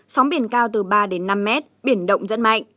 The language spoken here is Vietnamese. sóng biển cao từ ba năm m biển động dẫn mạnh